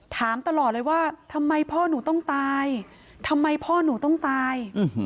ถามตลอดเลยว่าทำไมพ่อหนูต้องตายทำไมพ่อหนูต้องตาย